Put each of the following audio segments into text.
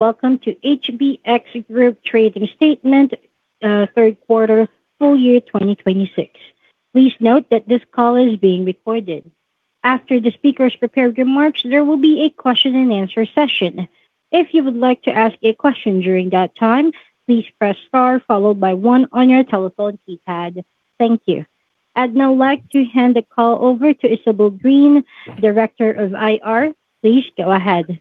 Welcome to HBX Group trading statement third quarter full year 2026. Please note that this call is being recorded. After the speakers prepared remarks, there will be a question and answer session. If you would like to ask a question during that time, please press star followed by one on your telephone keypad. Thank you. I'd now like to hand the call over to Isabel Green, Director of IR. Please go ahead.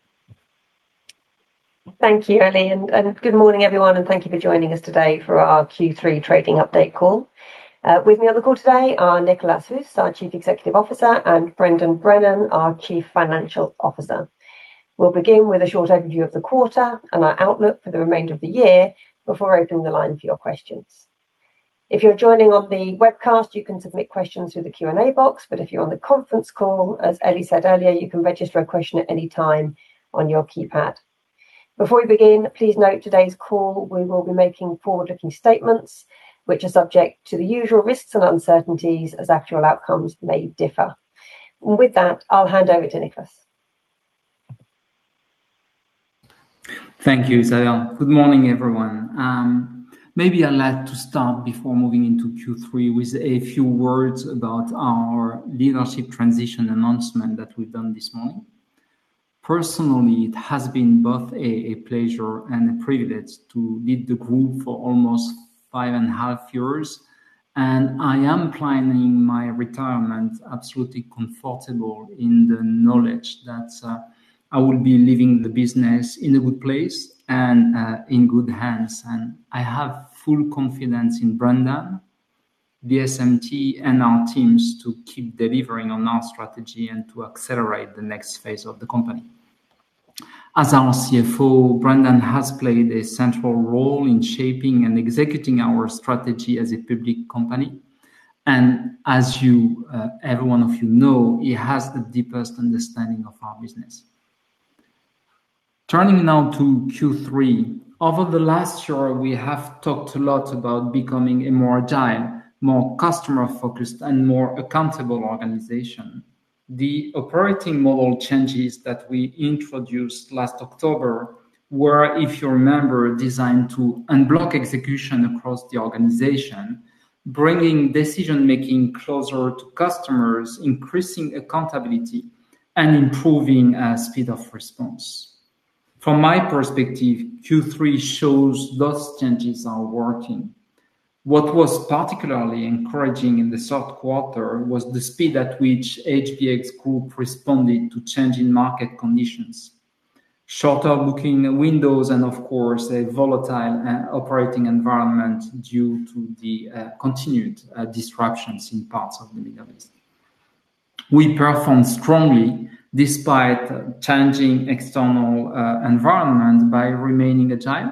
Thank you, Ellie. Good morning, everyone, and thank you for joining us today for our Q3 trading update call. With me on the call today are Nicolas Huss, our Chief Executive Officer, and Brendan Brennan, our Chief Financial Officer. We'll begin with a short overview of the quarter and our outlook for the remainder of the year before opening the line for your questions. If you're joining on the webcast, you can submit questions through the Q&A box. If you're on the conference call, as Ellie said earlier, you can register a question at any time on your keypad. Before we begin, please note today's call we will be making forward-looking statements which are subject to the usual risks and uncertainties as actual outcomes may differ. With that, I'll hand over to Nicolas. Thank you, Isabel. Good morning, everyone. Maybe I'd like to start before moving into Q3 with a few words about our leadership transition announcement that we've done this morning. Personally, it has been both a pleasure and a privilege to lead the group for almost five and a half years. I am planning my retirement, absolutely comfortable in the knowledge that I will be leaving the business in a good place and in good hands. I have full confidence in Brendan, the SMT, and our teams to keep delivering on our strategy and to accelerate the next phase of the company. As our CFO, Brendan has played a central role in shaping and executing our strategy as a public company. As every one of you know, he has the deepest understanding of our business. Turning now to Q3. Over the last year, we have talked a lot about becoming a more agile, more customer-focused, and more accountable organization. The operating model changes that we introduced last October were, if you remember, designed to unblock execution across the organization, bringing decision-making closer to customers, increasing accountability and improving speed of response. From my perspective, Q3 shows those changes are working. What was particularly encouraging in this third quarter was the speed at which HBX Group responded to changing market conditions, shorter booking windows, and of course, a volatile operating environment due to the continued disruptions in parts of the Middle East. We performed strongly despite changing external environment by remaining agile,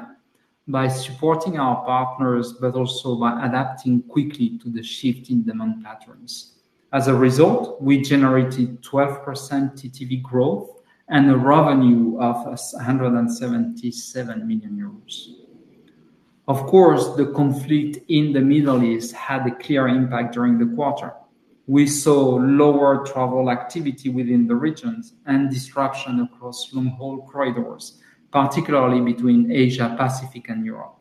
by supporting our partners, but also by adapting quickly to the shift in demand patterns. As a result, we generated 12% TTV growth and a revenue of 177 million euros. Of course, the conflict in the Middle East had a clear impact during the quarter. We saw lower travel activity within the regions and disruption across long-haul corridors, particularly between Asia Pacific and Europe.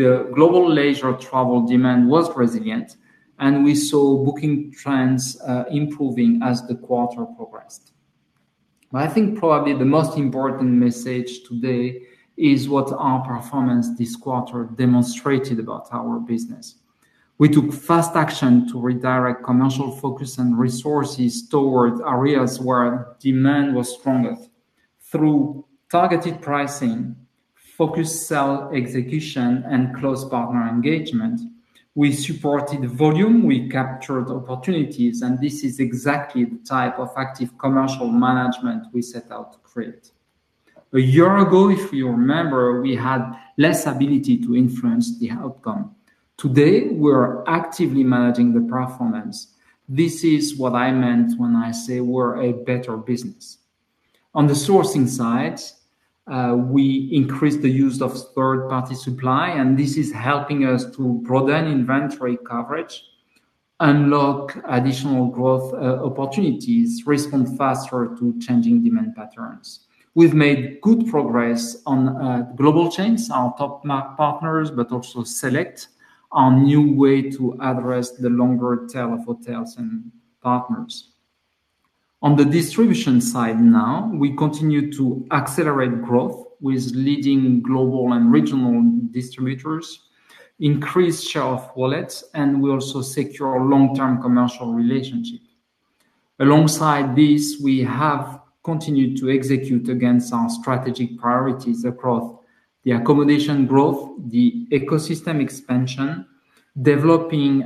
The global leisure travel demand was resilient, and we saw booking trends improving as the quarter progressed. I think probably the most important message today is what our performance this quarter demonstrated about our business. We took fast action to redirect commercial focus and resources towards areas where demand was strongest. Through targeted pricing, focused sell execution, and close partner engagement, we supported volume, we captured opportunities, and this is exactly the type of active commercial management we set out to create. A year ago, if you remember, we had less ability to influence the outcome. Today, we are actively managing the performance. This is what I meant when I say we're a better business. On the sourcing side, we increased the use of third-party supply, and this is helping us to broaden inventory coverage, unlock additional growth opportunities, respond faster to changing demand patterns. We've made good progress on global chains, our top partners, but also select our new way to address the longer tail of hotels and partners. On the distribution side now, we continue to accelerate growth with leading global and regional distributors, increase share of wallet, and we also secure long-term commercial relationship. Alongside this, we have continued to execute against our strategic priorities across the accommodation growth, the ecosystem expansion, developing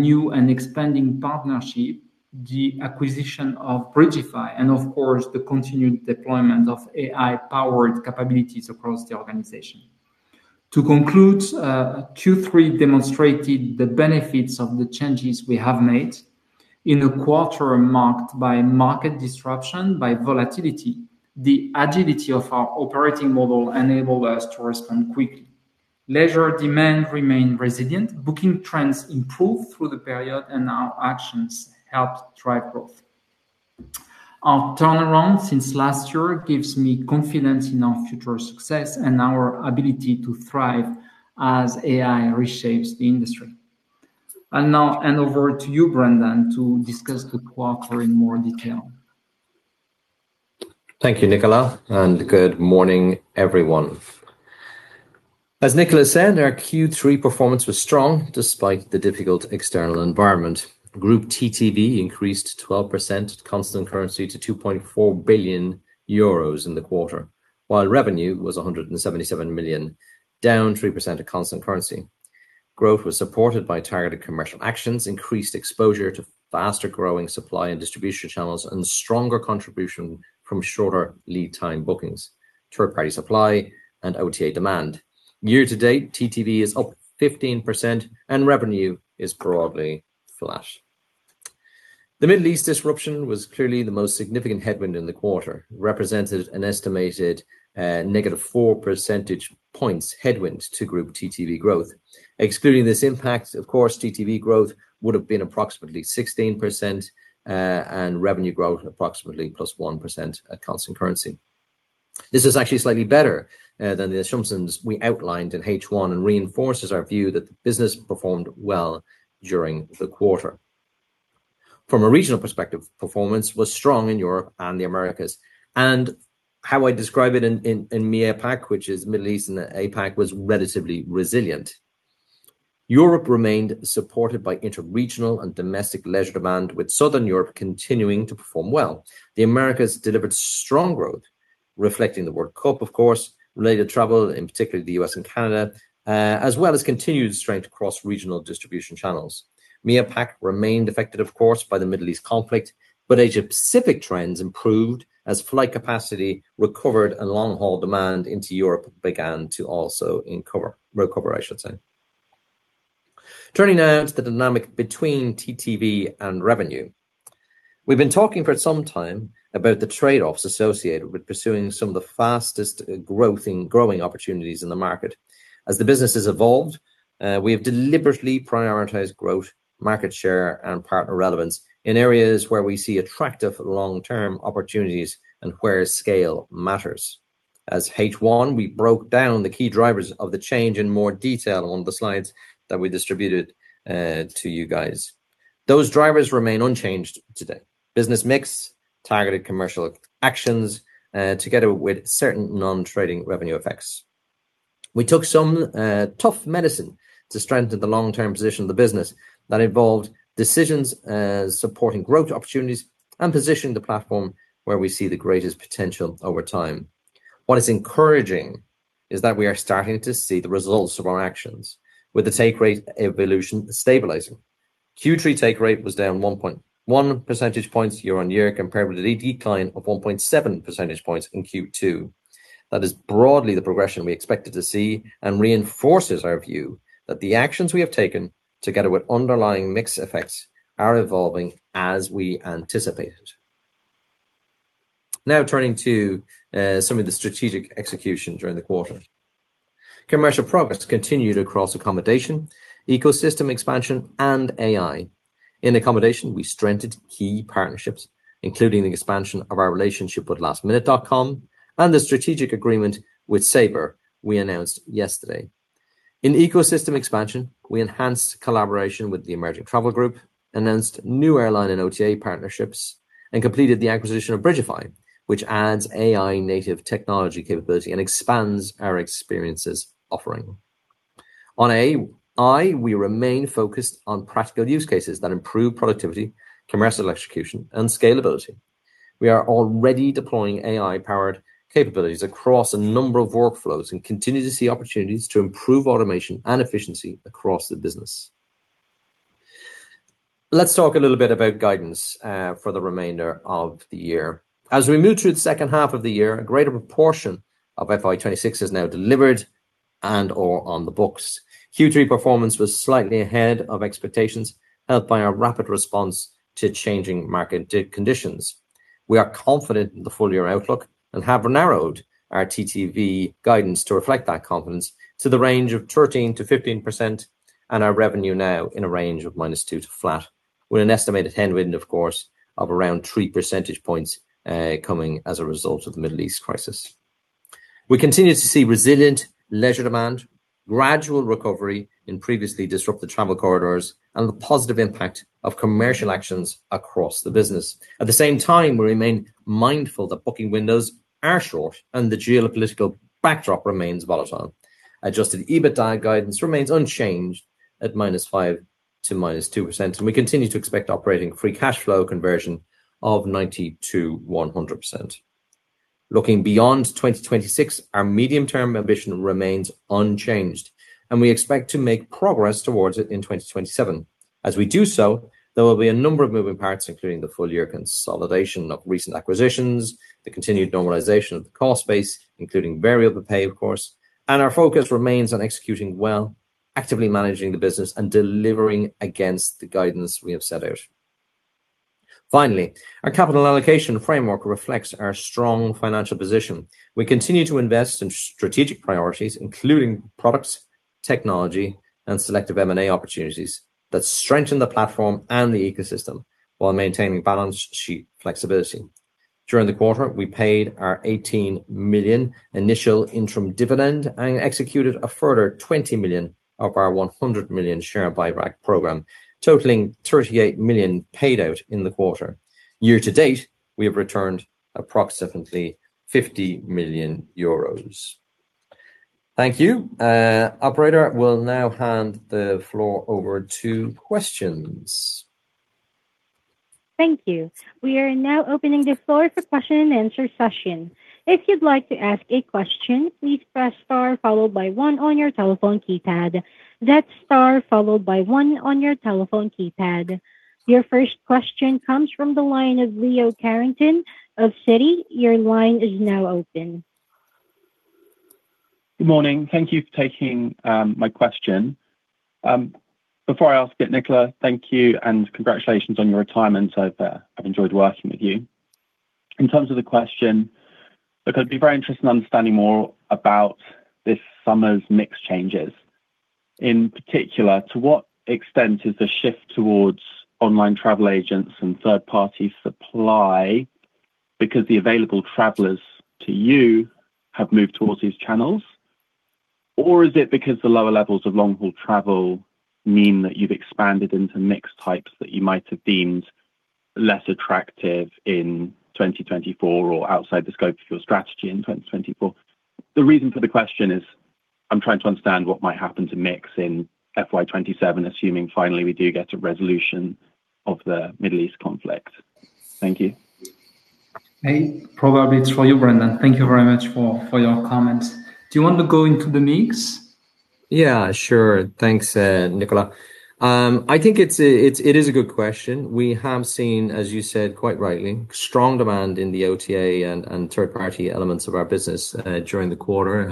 new and expanding partnership, the acquisition of Bridgify, and of course, the continued deployment of AI-powered capabilities across the organization. To conclude, Q3 demonstrated the benefits of the changes we have made in a quarter marked by market disruption, by volatility. The agility of our operating model enabled us to respond quickly. Leisure demand remained resilient. Booking trends improved through the period, and our actions helped drive growth. Our turnaround since last year gives me confidence in our future success and our ability to thrive as AI reshapes the industry. Now over to you, Brendan, to discuss the quarter in more detail. Thank you, Nicolas, good morning, everyone. As Nicolas said, our Q3 performance was strong despite the difficult external environment. Group TTV increased 12% at constant currency to 2.4 billion euros in the quarter, while revenue was 177 million, down 3% at constant currency. Growth was supported by targeted commercial actions, increased exposure to faster-growing supply and distribution channels, and stronger contribution from shorter lead time bookings, third-party supply, and OTA demand. Year to date, TTV is up 15%, revenue is broadly flat. The Middle East disruption was clearly the most significant headwind in the quarter, represented an estimated -4 percentage points headwind to Group TTV growth. Excluding this impact, of course, TTV growth would've been approximately 16%, revenue growth approximately plus 1% at constant currency. This is actually slightly better than the assumptions we outlined in H1 and reinforces our view that the business performed well during the quarter. From a regional perspective, performance was strong in Europe and the Americas, and how I describe it in MEAPAC, which is Middle East and APAC, was relatively resilient. Europe remained supported by interregional and domestic leisure demand, with Southern Europe continuing to perform well. The Americas delivered strong growth, reflecting the World Cup, of course, related travel, in particular the U.S. and Canada, as well as continued strength across regional distribution channels. MEAPAC remained affected, of course, by the Middle East conflict, but Asia-Pacific trends improved as flight capacity recovered and long-haul demand into Europe began to also recover. Turning now to the dynamic between TTV and revenue. We've been talking for some time about the trade-offs associated with pursuing some of the fastest growing opportunities in the market. As the business has evolved, we have deliberately prioritized growth, market share, and partner relevance in areas where we see attractive long-term opportunities and where scale matters. At H1, we broke down the key drivers of the change in more detail on the slides that we distributed to you guys. Those drivers remain unchanged today. Business mix, targeted commercial actions, together with certain non-trading revenue effects. We took some tough medicine to strengthen the long-term position of the business that involved decisions supporting growth opportunities and positioned the platform where we see the greatest potential over time. What is encouraging is that we are starting to see the results of our actions, with the take rate evolution stabilizing. Q3 take rate was down 1.1 percentage points year-on-year, compared with a decline of 1.7 percentage points in Q2. That is broadly the progression we expected to see and reinforces our view that the actions we have taken, together with underlying mix effects, are evolving as we anticipated. Now, turning to some of the strategic execution during the quarter. Commercial progress continued across accommodation, ecosystem expansion, and AI. In accommodation, we strengthened key partnerships, including the expansion of our relationship with lastminute.com and the strategic agreement with Sabre we announced yesterday. In ecosystem expansion, we enhanced collaboration with the Emerging Travel Group, announced new airline and OTA partnerships, and completed the acquisition of Bridgify, which adds AI-native technology capability and expands our experiences offering. On AI, we remain focused on practical use cases that improve productivity, commercial execution, and scalability. We are already deploying AI-powered capabilities across a number of workflows and continue to see opportunities to improve automation and efficiency across the business. Let's talk a little bit about guidance for the remainder of the year. As we move through the second half of the year, a greater proportion of FY 2026 is now delivered and/or on the books. Q3 performance was slightly ahead of expectations, helped by our rapid response to changing market conditions. We are confident in the full-year outlook and have narrowed our TTV guidance to reflect that confidence to the range of 13%-15%, and our revenue now in a range of -2% to 2%, with an estimated headwind, of course, of around three percentage points, coming as a result of the Middle East crisis. We continue to see resilient leisure demand, gradual recovery in previously disrupted travel corridors, and the positive impact of commercial actions across the business. At the same time, we remain mindful that booking windows are short and the geopolitical backdrop remains volatile. Adjusted EBITDA guidance remains unchanged at -5% to -2%, and we continue to expect operating free cash flow conversion of 90%-100%. Looking beyond 2026, our medium-term ambition remains unchanged, and we expect to make progress towards it in 2027. As we do so, there will be a number of moving parts, including the full-year consolidation of recent acquisitions, the continued normalization of the cost base, including variable pay, of course, and our focus remains on executing well, actively managing the business, and delivering against the guidance we have set out. Finally, our capital allocation framework reflects our strong financial position. We continue to invest in strategic priorities, including products, technology, and selective M&A opportunities that strengthen the platform and the ecosystem while maintaining balance sheet flexibility. During the quarter, we paid our 18 million initial interim dividend and executed a further 20 million of our 100 million share buyback program, totaling 38 million paid out in the quarter. Year to date, we have returned approximately 50 million euros. Thank you. Operator, we'll now hand the floor over to questions. Thank you. We are now opening the floor for question and answer session. If you'd like to ask a question, please press star followed by one on your telephone keypad. That's star followed by one on your telephone keypad. Your first question comes from the line of Leo Carrington of Citi. Your line is now open. Good morning. Thank you for taking my question. Before I ask it, Nicolas, thank you, and congratulations on your retirement. I've enjoyed working with you. In terms of the question, look, I'd be very interested in understanding more about this summer's mix changes. In particular, to what extent is the shift towards online travel agents and third-party supply because the available travelers to you have moved towards these channels? Or is it because the lower levels of long-haul travel mean that you've expanded into mix types that you might have deemed less attractive in 2024 or outside the scope of your strategy in 2024? The reason for the question is, I'm trying to understand what might happen to mix in FY 2027, assuming finally we do get a resolution of the Middle East conflict. Thank you. Hey, probably it's for you, Brendan. Thank you very much for your comments. Do you want to go into the mix? Yeah, sure. Thanks, Nicolas. I think it is a good question. We have seen, as you said quite rightly, strong demand in the OTA and third-party elements of our business during the quarter.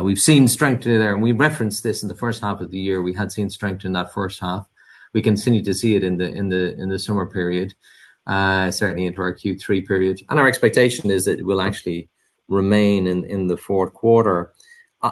We've seen strength there, and we referenced this in the first half of the year. We had seen strength in that first half. We continue to see it in the summer period, certainly into our Q3 period. Our expectation is that it will actually remain in the fourth quarter.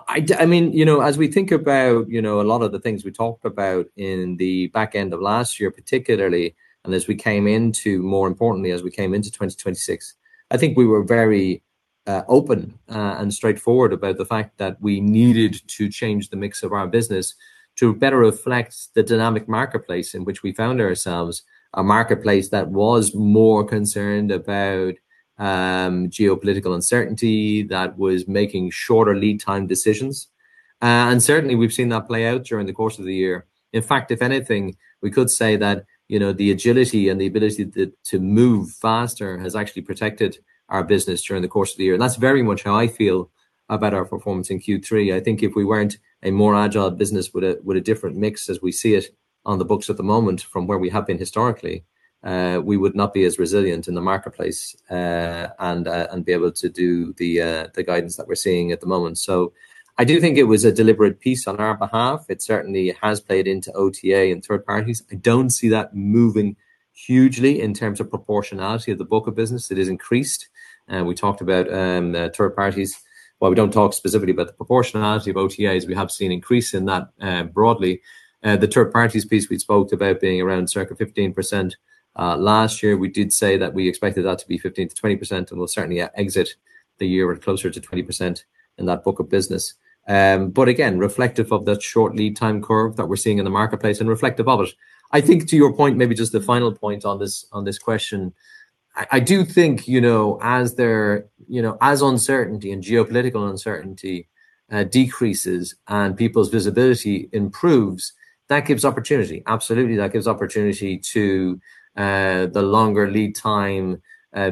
As we think about a lot of the things we talked about in the back end of last year, particularly, more importantly as we came into 2026, I think we were very open and straightforward about the fact that we needed to change the mix of our business to better reflect the dynamic marketplace in which we found ourselves, a marketplace that was more concerned about geopolitical uncertainty that was making shorter lead time decisions. Certainly, we've seen that play out during the course of the year. In fact, if anything, we could say that the agility and the ability to move faster has actually protected our business during the course of the year. That's very much how I feel about our performance in Q3. I think if we weren't a more agile business with a different mix as we see it on the books at the moment from where we have been historically, we would not be as resilient in the marketplace, and be able to do the guidance that we're seeing at the moment. I do think it was a deliberate piece on our behalf. It certainly has played into OTA and third parties. I don't see that moving hugely in terms of proportionality of the book of business. It has increased. We talked about third parties. While we don't talk specifically about the proportionality of OTAs, we have seen increase in that broadly. The third parties piece we spoke about being around circa 15%. Last year, we did say that we expected that to be 15%-20%, and we'll certainly exit the year at closer to 20% in that book of business. Again, reflective of that short lead time curve that we're seeing in the marketplace and reflective of it. I think to your point, maybe just the final point on this question, I do think as uncertainty and geopolitical uncertainty decreases and people's visibility improves, that gives opportunity. Absolutely, that gives opportunity to the longer lead time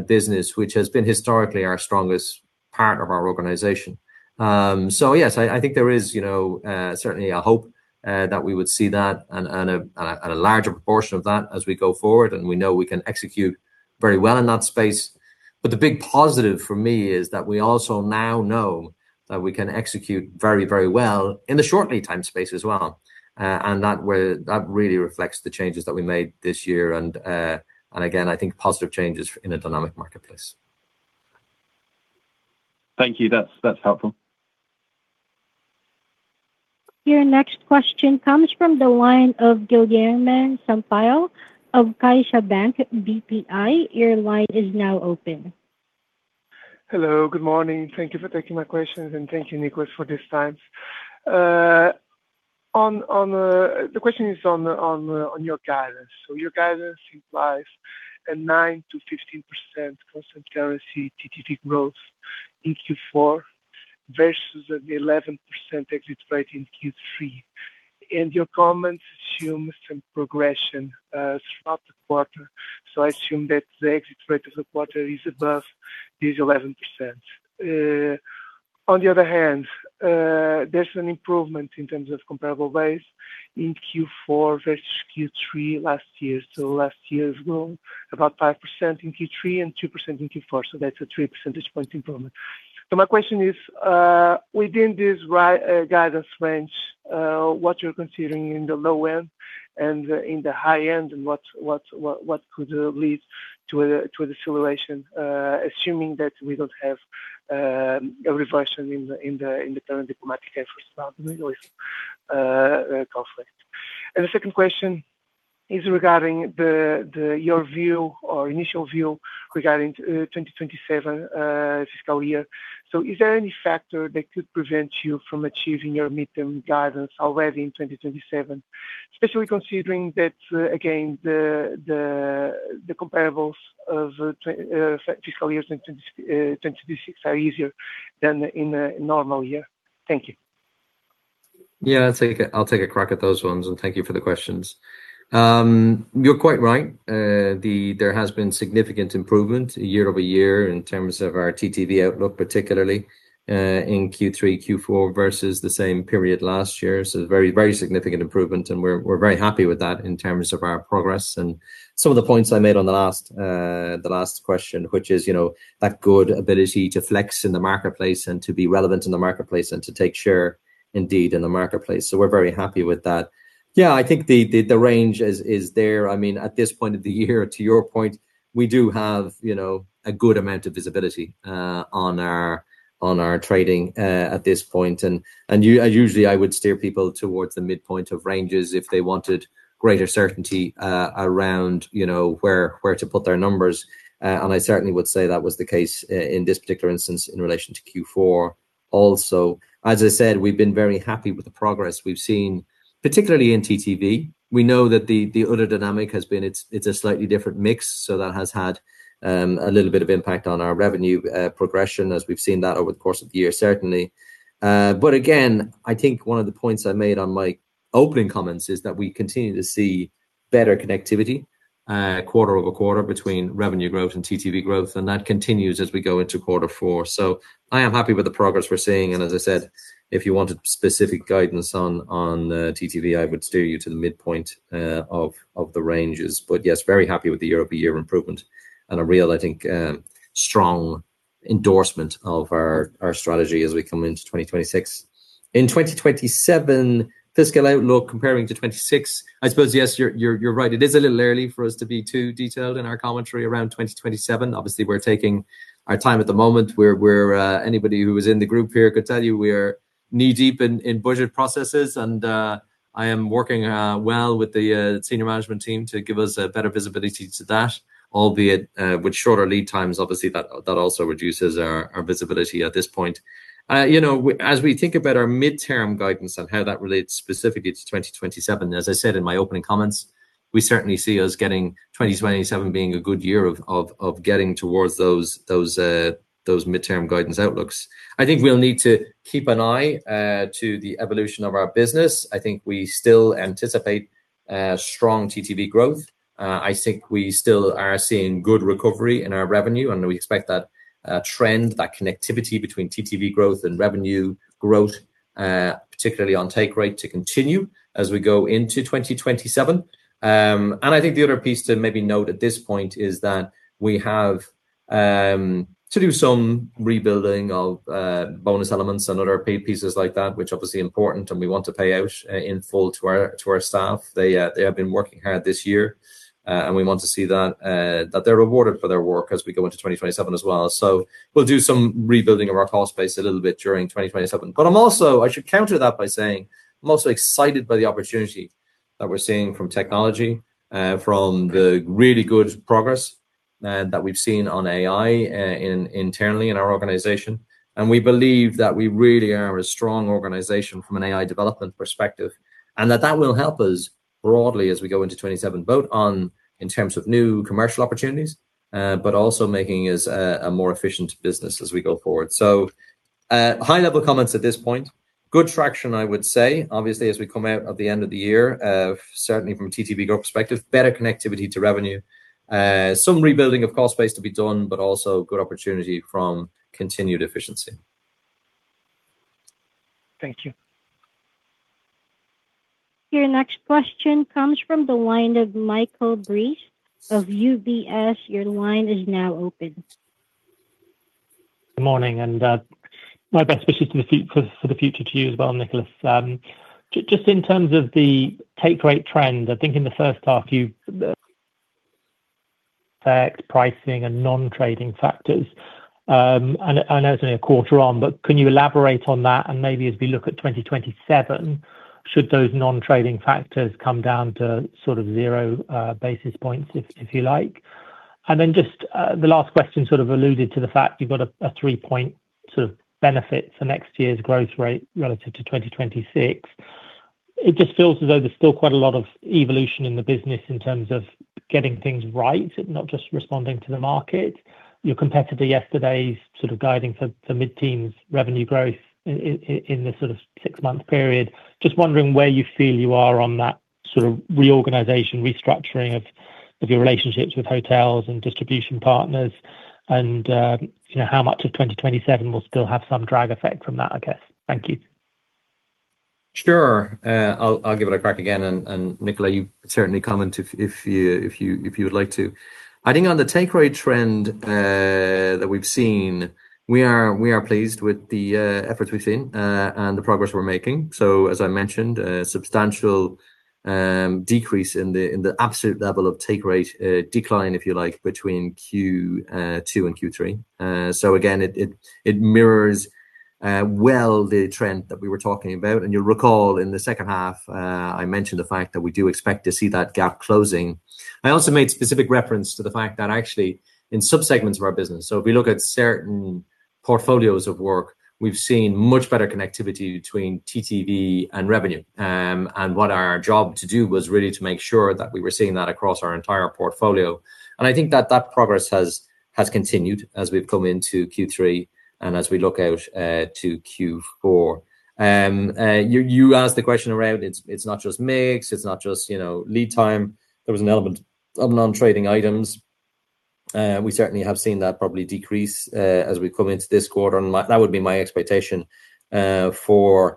business, which has been historically our strongest part of our organization. Yes, I think there is certainly a hope that we would see that and a larger proportion of that as we go forward, and we know we can execute very well in that space. The big positive for me is that we also now know that we can execute very well in the short lead time space as well. That really reflects the changes that we made this year. Again, I think positive changes in a dynamic marketplace. Thank you. That's helpful. Your next question comes from the line of Guilherme Sampaio of CaixaBank BPI. Your line is now open. Hello. Good morning. Thank you for taking my questions, and thank you, Nicolas, for this time. The question is on your guidance. Your guidance implies a 9%-15% constant currency TTV growth in Q4 versus the 11% exit rate in Q3. Your comments assume some progression throughout the quarter. I assume that the exit rate of the quarter is above this 11%. On the other hand, there's an improvement in terms of comparable base in Q4 versus Q3 last year. Last year's growth about 5% in Q3 and 2% in Q4, that's a three percentage point improvement. My question is, within this guidance range, what you're considering in the low end and in the high end, and what could lead to a deceleration, assuming that we don't have a reversion in the current diplomatic efforts around the Middle East conflict. The second question is regarding your view or initial view regarding 2027 fiscal year. Is there any factor that could prevent you from achieving your midterm guidance already in 2027, especially considering that, again, the comparables of fiscal years in 2026 are easier than in a normal year? Thank you. Yeah. I'll take a crack at those ones, and thank you for the questions. You're quite right. There has been significant improvement year-over-year in terms of our TTV outlook, particularly in Q3, Q4 versus the same period last year. Very significant improvement, and we're very happy with that in terms of our progress. Some of the points I made on the last question, which is that good ability to flex in the marketplace and to be relevant in the marketplace and to take share indeed in the marketplace. We're very happy with that. Yeah, I think the range is there. At this point of the year, to your point, we do have a good amount of visibility on our trading at this point. Usually I would steer people towards the midpoint of ranges if they wanted greater certainty around where to put their numbers. I certainly would say that was the case in this particular instance in relation to Q4. Also, as I said, we've been very happy with the progress we've seen, particularly in TTV. We know that the other dynamic has been it's a slightly different mix. That has had a little bit of impact on our revenue progression as we've seen that over the course of the year, certainly. Again, I think one of the points I made on my opening comments is that we continue to see better connectivity quarter-over-quarter between revenue growth and TTV growth, and that continues as we go into quarter four. I am happy with the progress we're seeing, and as I said, if you wanted specific guidance on TTV, I would steer you to the midpoint of the ranges. Yes, very happy with the year-over-year improvement and a real, I think, strong endorsement of our strategy as we come into 2026. In 2027 fiscal outlook comparing to 2026, Yes, you're right. It is a little early for us to be too detailed in our commentary around 2027. Obviously, we're taking our time at the moment where anybody who is in the group here could tell you we are knee-deep in budget processes and I am working well with the senior management team to give us a better visibility to that, albeit with shorter lead times. Obviously, that also reduces our visibility at this point. As we think about our midterm guidance and how that relates specifically to 2027, as I said in my opening comments, we certainly see us getting 2027 being a good year of getting towards those midterm guidance outlooks. I think we'll need to keep an eye to the evolution of our business. I think we still anticipate strong TTV growth. I think we still are seeing good recovery in our revenue, We expect that trend, that connectivity between TTV growth and revenue growth, particularly on take rate, to continue as we go into 2027. I think the other piece to maybe note at this point is that we have to do some rebuilding of bonus elements and other pay pieces like that, which are obviously important, We want to pay out in full to our staff. They have been working hard this year, We want to see that they're rewarded for their work as we go into 2027 as well. We'll do some rebuilding of our cost base a little bit during 2027. I should counter that by saying I'm also excited by the opportunity that we're seeing from technology, from the really good progress that we've seen on AI internally in our organization. We believe that we really are a strong organization from an AI development perspective, and that that will help us broadly as we go into 2027, both on in terms of new commercial opportunities, but also making us a more efficient business as we go forward. High-level comments at this point. Good traction, I would say. Obviously, as we come out at the end of the year, certainly from a TTV growth perspective, better connectivity to revenue. Some rebuilding of cost base to be done, but also good opportunity from continued efficiency. Thank you. Your next question comes from the line of Michael Briest of UBS. Your line is now open. Good morning, and my best wishes for the future to you as well, Nicolas. Just in terms of the take rate trend, I think in the first half you effect pricing and non-trading factors. I know it's only a quarter on, but can you elaborate on that and maybe as we look at 2027, should those non-trading factors come down to sort of zero basis points, if you like? Just the last question sort of alluded to the fact you've got a three-point sort of benefit for next year's growth rate relative to 2026. It just feels as though there's still quite a lot of evolution in the business in terms of getting things right and not just responding to the market. Your competitor yesterday is sort of guiding for mid-teens revenue growth in this sort of six-month period. Just wondering where you feel you are on that sort of reorganization, restructuring of your relationships with hotels and distribution partners and how much of 2027 will still have some drag effect from that, I guess. Thank you. Sure. I'll give it a crack again, and Nicolas, you certainly comment if you would like to. I think on the take rate trend that we've seen, we are pleased with the efforts we've seen and the progress we're making. As I mentioned, a substantial decrease in the absolute level of take rate decline, if you like, between Q2 and Q3. Again, it mirrors well the trend that we were talking about. You'll recall in the second half, I mentioned the fact that we do expect to see that gap closing. I also made specific reference to the fact that actually in sub-segments of our business. If we look at certain portfolios of work, we've seen much better connectivity between TTV and revenue. What our job to do was really to make sure that we were seeing that across our entire portfolio. I think that that progress has continued as we've come into Q3 and as we look out to Q4. You asked the question around it's not just mix, it's not just lead time. There was an element of non-trading items. We certainly have seen that probably decrease as we come into this quarter, and that would be my expectation for the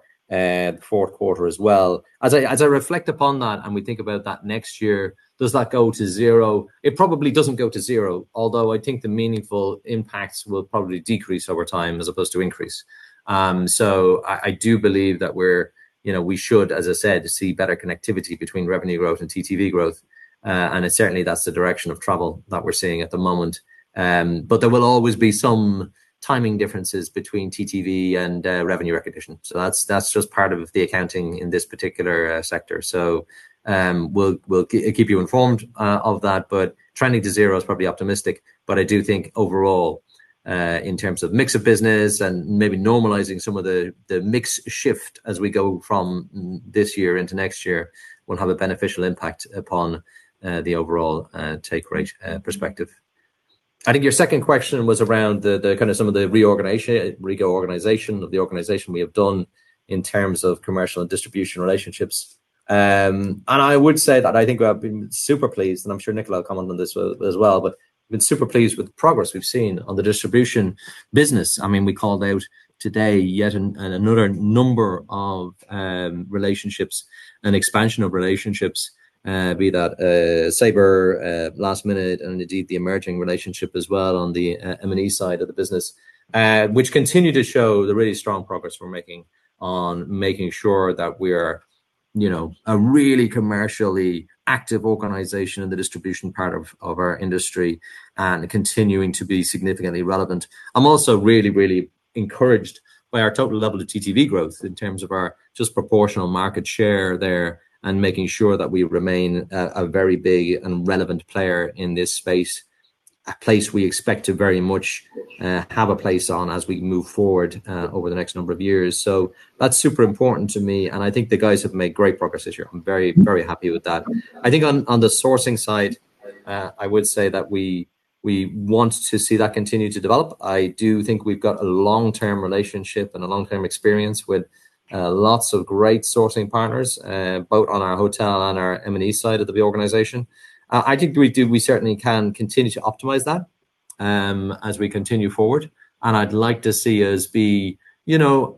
fourth quarter as well. As I reflect upon that and we think about that next year, does that go to zero? It probably doesn't go to zero, although I think the meaningful impacts will probably decrease over time as opposed to increase. I do believe that we should, as I said, see better connectivity between revenue growth and TTV growth. Certainly that's the direction of travel that we're seeing at the moment. There will always be some timing differences between TTV and revenue recognition. That's just part of the accounting in this particular sector. We'll keep you informed of that, but trending to zero is probably optimistic. I do think overall, in terms of mix of business and maybe normalizing some of the mix shift as we go from this year into next year will have a beneficial impact upon the overall take rate perspective. I think your second question was around some of the reorganization of the organization we have done in terms of commercial and distribution relationships. I would say that I think we have been super pleased, and I'm sure Nicolas will comment on this as well, but we've been super pleased with the progress we've seen on the distribution business. We called out today yet another number of relationships and expansion of relationships. Be that Sabre, lastminute.com, and indeed the Emerging relationship as well on the M&E side of the business. Which continue to show the really strong progress we're making on making sure that we're a really commercially active organization in the distribution part of our industry and continuing to be significantly relevant. I'm also really encouraged by our total level of TTV growth in terms of our just proportional market share there and making sure that we remain a very big and relevant player in this space. A place we expect to very much have a place on as we move forward over the next number of years. That's super important to me, and I think the guys have made great progress this year. I'm very happy with that. I think on the sourcing side, I would say that we want to see that continue to develop. I do think we've got a long-term relationship and a long-term experience with lots of great sourcing partners both on our hotel and our M&E side of the organization. I think we certainly can continue to optimize that as we continue forward. I'd like to see us be more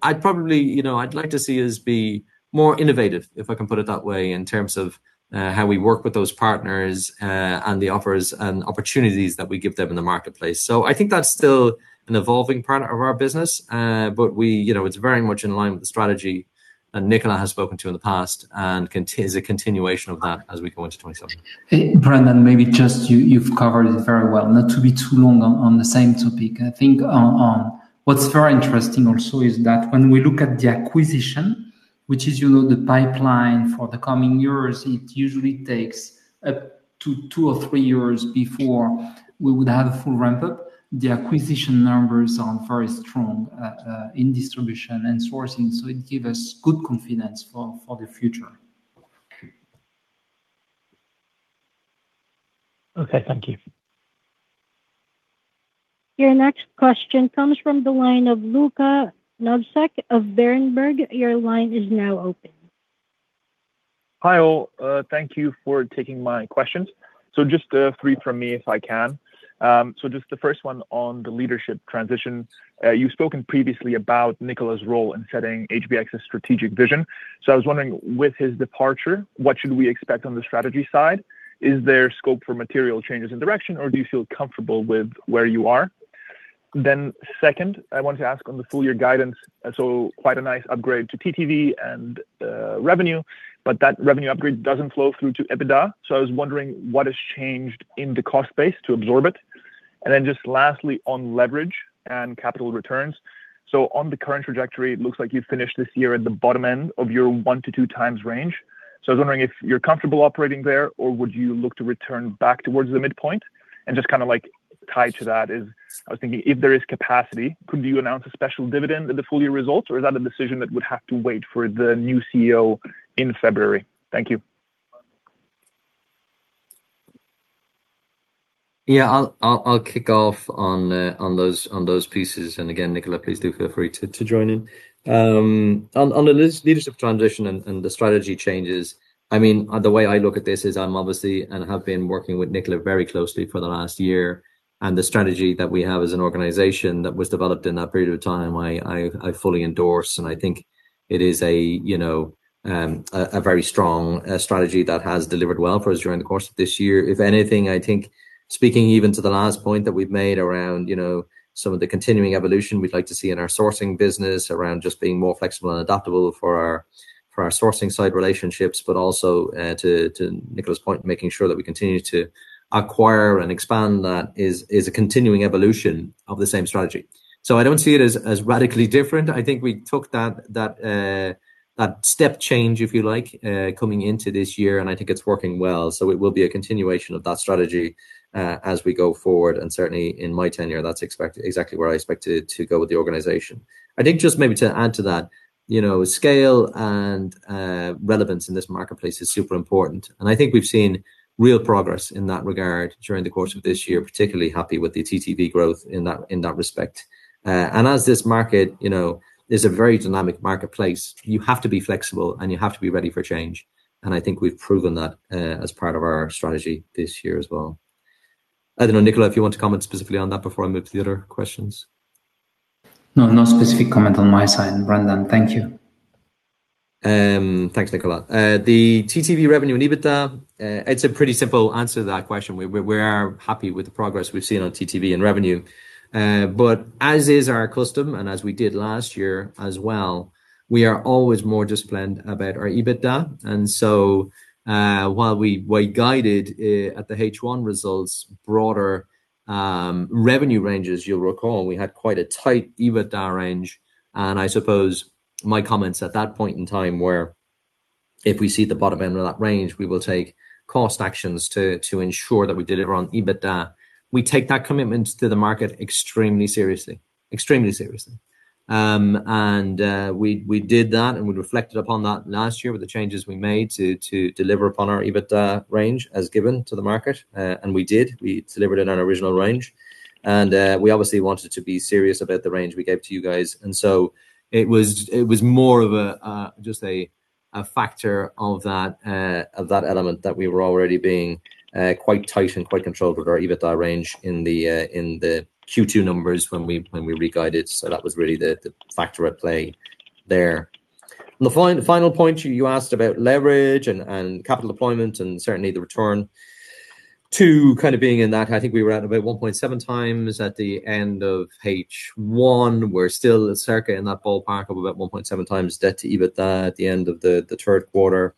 innovative, if I can put it that way, in terms of how we work with those partners and the offers and opportunities that we give them in the marketplace. I think that's still an evolving part of our business. It's very much in line with the strategy that Nicolas has spoken to in the past and is a continuation of that as we go into 2027. Brendan, maybe just you've covered it very well. Not to be too long on the same topic. I think what's very interesting also is that when we look at the acquisition, which is the pipeline for the coming years, it usually takes up to two or three years before we would have a full ramp-up. The acquisition numbers are very strong in distribution and sourcing, so it give us good confidence for the future. Okay. Thank you. Your next question comes from the line of Luka Trnovsek of Berenberg. Your line is now open. Hi all. Thank you for taking my questions. Just three from me if I can. Just the first one on the leadership transition. You've spoken previously about Nicolas' role in setting HBX's strategic vision. I was wondering, with his departure, what should we expect on the strategy side? Is there scope for material changes in direction, or do you feel comfortable with where you are? Second, I wanted to ask on the full year guidance. Quite a nice upgrade to TTV and revenue, but that revenue upgrade doesn't flow through to EBITDA. I was wondering what has changed in the cost base to absorb it? Just lastly on leverage and capital returns. On the current trajectory, it looks like you've finished this year at the bottom end of your 1x-2x times range. I was wondering if you're comfortable operating there, or would you look to return back towards the midpoint? Just kind of tied to that is I was thinking if there is capacity, could you announce a special dividend at the full year results, or is that a decision that would have to wait for the new CEO in February? Thank you. Yeah. I'll kick off on those pieces. Again, Nicolas, please do feel free to join in. On the leadership transition and the strategy changes, the way I look at this is I'm obviously, and have been working with Nicolas very closely for the last year. The strategy that we have as an organization that was developed in that period of time, I fully endorse, and I think it is a very strong strategy that has delivered well for us during the course of this year. If anything, I think speaking even to the last point that we've made around some of the continuing evolution we'd like to see in our sourcing business, around just being more flexible and adaptable for our sourcing side relationships, but also to Nicolas' point, making sure that we continue to acquire and expand that is a continuing evolution of the same strategy. I don't see it as radically different. I think we took that step change, if you like, coming into this year, and I think it's working well. It will be a continuation of that strategy as we go forward, and certainly in my tenure, that's exactly where I expect to go with the organization. I think just maybe to add to that, scale and relevance in this marketplace is super important, and I think we've seen real progress in that regard during the course of this year. Particularly happy with the TTV growth in that respect. As this market is a very dynamic marketplace, you have to be flexible and you have to be ready for change. I think we've proven that as part of our strategy this year as well. I don't know, Nicolas, if you want to comment specifically on that before I move to the other questions. No. No specific comment on my side, Brendan. Thank you. Thanks, Nicolas. The TTV revenue and EBITDA, it's a pretty simple answer to that question. We are happy with the progress we've seen on TTV and revenue. As is our custom and as we did last year as well, we are always more disciplined about our EBITDA. While we guided at the H1 results broader revenue ranges, you'll recall we had quite a tight EBITDA range, and I suppose my comments at that point in time were if we see the bottom end of that range, we will take cost actions to ensure that we deliver on EBITDA. We take that commitment to the market extremely seriously. We did that, and we reflected upon that last year with the changes we made to deliver upon our EBITDA range as given to the market. We did. We delivered in our original range. We obviously wanted to be serious about the range we gave to you guys. It was more of just a factor of that element that we were already being quite tight and quite controlled with our EBITDA range in the Q2 numbers when we re-guided. That was really the factor at play there. The final point you asked about leverage and capital deployment and certainly the return to kind of being in that. I think we were at about 1.7x at the end of H1. We're still circa in that ballpark of about 1.7x debt to EBITDA at the end of the third quarter,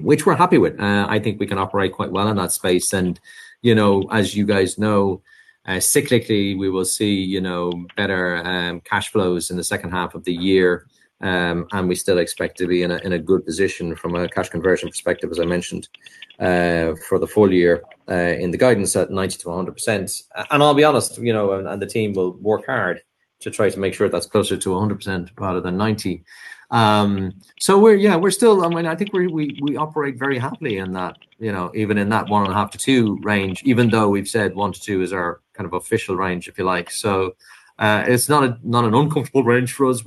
which we're happy with. I think we can operate quite well in that space. As you guys know, cyclically, we will see better cash flows in the second half of the year. We still expect to be in a good position from a cash conversion perspective, as I mentioned, for the full year in the guidance at 90%-100%. I'll be honest, and the team will work hard to try to make sure that's closer to 100% rather than 90%. We're still, I think we operate very happily in that, even in that 1.5x-2x range, even though we've said 1x-2x is our kind of official range, if you like. It's not an uncomfortable range for us.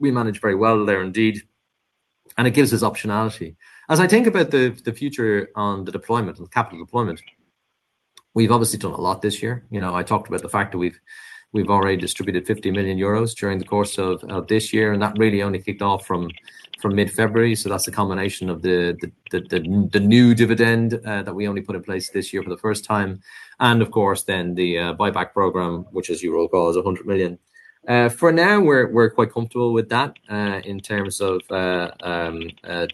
We manage very well there indeed. It gives us optionality. As I think about the future on the deployment, on the capital deployment, we've obviously done a lot this year. I talked about the fact that we've already distributed 50 million euros during the course of this year. That really only kicked off from mid-February. That's a combination of the new dividend that we only put in place this year for the first time. Of course, then the buyback program, which as you recall, is 100 million. For now, we're quite comfortable with that in terms of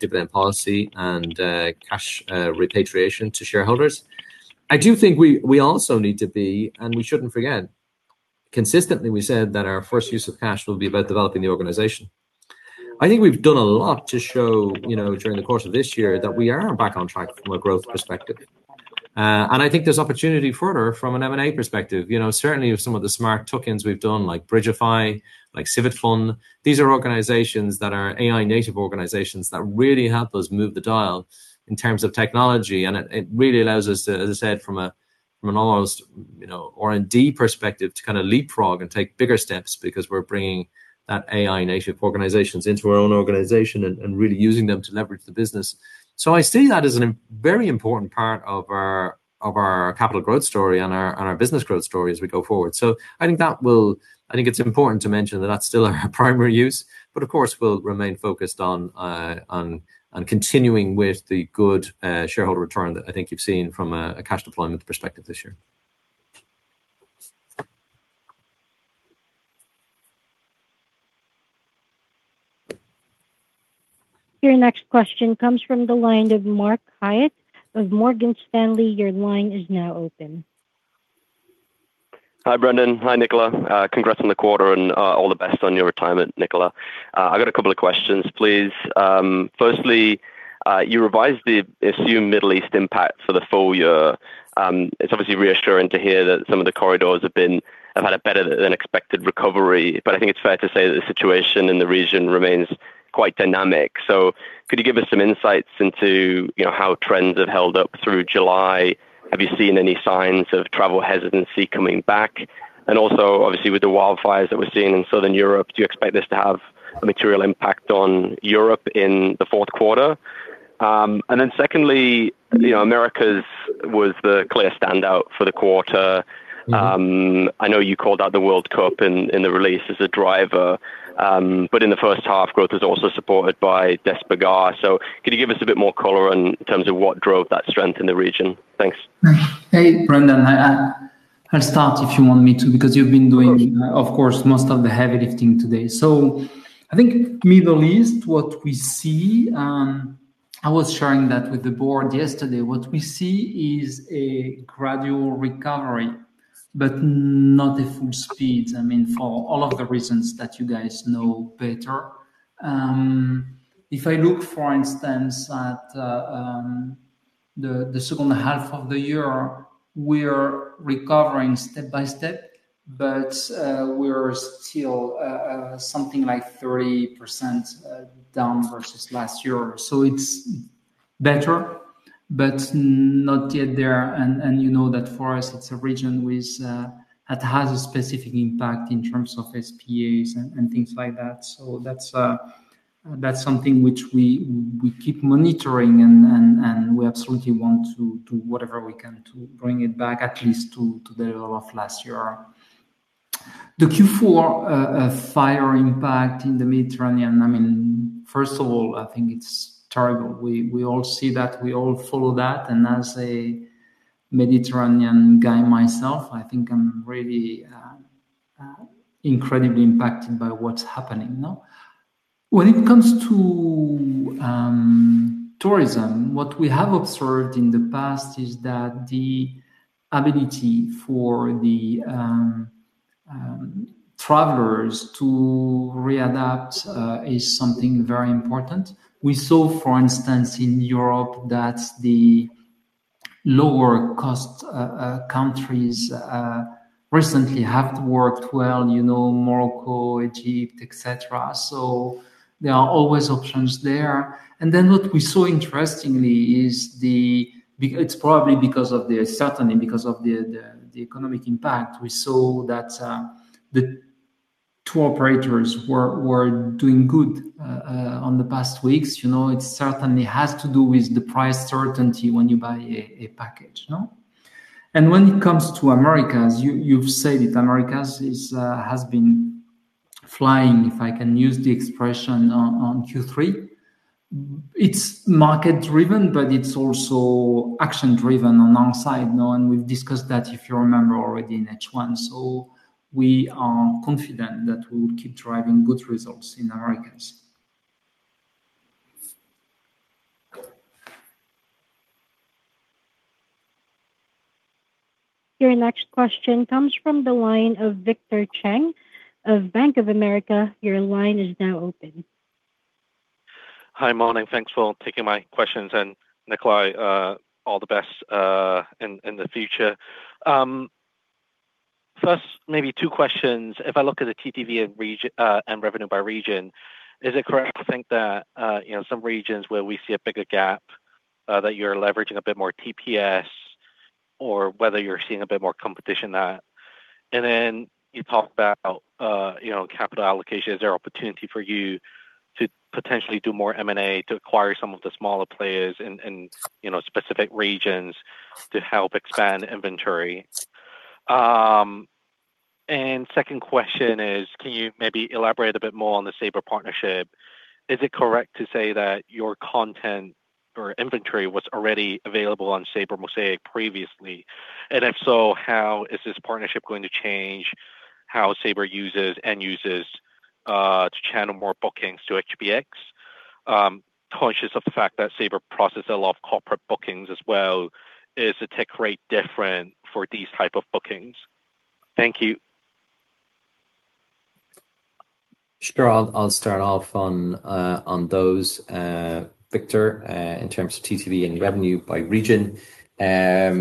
dividend policy and cash repatriation to shareholders. I do think we also need to be, and we shouldn't forget, consistently we said that our first use of cash will be about developing the organization. I think we've done a lot to show during the course of this year that we are back on track from a growth perspective. I think there's opportunity further from an M&A perspective. Certainly some of the smart tuck-ins we've done, like Bridgify, like Civitfun, these are organizations that are AI-native organizations that really help us move the dial in terms of technology. It really allows us, as I said, from an almost R&D perspective, to kind of leapfrog and take bigger steps because we're bringing that AI-native organizations into our own organization and really using them to leverage the business. I see that as a very important part of our capital growth story and our business growth story as we go forward. I think it's important to mention that that's still our primary use. Of course, we'll remain focused on continuing with the good shareholder return that I think you've seen from a cash deployment perspective this year. Your next question comes from the line of Mark Hyatt of Morgan Stanley. Your line is now open. Hi, Brendan. Hi, Nicolas. Congrats on the quarter and all the best on your retirement, Nicolas. I've got a couple of questions, please. Firstly, you revised the assumed Middle East impact for the full year. It's obviously reassuring to hear that some of the corridors have had a better than expected recovery. I think it's fair to say that the situation in the region remains quite dynamic. Could you give us some insights into how trends have held up through July? Have you seen any signs of travel hesitancy coming back? Also, obviously, with the wildfires that we're seeing in Southern Europe, do you expect this to have a material impact on Europe in the fourth quarter? Then secondly, the Americas was the clear standout for the quarter. I know you called out the World Cup in the release as a driver. In the first half, growth was also supported by Despegar. Could you give us a bit more color in terms of what drove that strength in the region? Thanks. Hey, Brendan. I'll start if you want me to. Sure. Because you're doing, of course, most of the heavy lifting today. I think Middle East, what we see, I was sharing that with the board yesterday, what we see is a gradual recovery, but not at full speed, I mean, for all of the reasons that you guys know better. If I look, for instance, at the second half of the year, we're recovering step by step, but we're still something like 3% down versus last year. It's better, but not yet there. You know that for us, it's a region that has a specific impact in terms of Spas and things like that. That's something which we keep monitoring, and we absolutely want to do whatever we can to bring it back at least to the level of last year. The Q4 fire impact in the Mediterranean, first of all, I think it's terrible. We all see that, we all follow that, as a Mediterranean guy myself, I think I'm really incredibly impacted by what's happening, no? When it comes to tourism, what we have observed in the past is that the ability for the travelers to readapt is something very important. We saw, for instance, in Europe that the lower cost countries recently have worked well, Morocco, Egypt, etc. There are always options there. What we saw interestingly is the, it's probably certainly because of the economic impact, we saw that the tour operators were doing good on the past weeks. It certainly has to do with the price certainty when you buy a package, no? When it comes to Americas, you've said it, Americas has been flying, if I can use the expression, on Q3. It's market driven, but it's also action driven alongside, no? We've discussed that, if you remember already in H1. We are confident that we'll keep driving good results in Americas. Your next question comes from the line of Victor Cheng of Bank of America. Your line is now open. Hi. Morning. Thanks for taking my questions. Nicolas, all the best in the future. First, maybe two questions. If I look at the TTV and revenue by region, is it correct to think that in some regions where we see a bigger gap, that you're leveraging a bit more TPS or whether you're seeing a bit more competition there? Then you talked about capital allocation. Is there opportunity for you to potentially do more M&A to acquire some of the smaller players in specific regions to help expand inventory? Second question is, can you maybe elaborate a bit more on the Sabre partnership? Is it correct to say that your content or inventory was already available on Sabre Mosaic previously? If so, how is this partnership going to change how Sabre uses end users to channel more bookings to HBX? Conscious of the fact that Sabre process a lot of corporate bookings as well. Is the tick rate different for these type of bookings? Thank you. Sure. I'll start off on those, Victor. In terms of TTV and revenue by region, yeah.